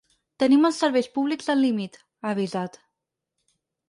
Tenim els serveis públics al límit, ha avisat.